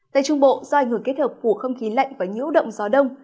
tại trung bộ do ảnh hưởng kết hợp của không khí lạnh và nhiễu động gió đông